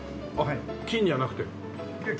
いや金じゃなくて。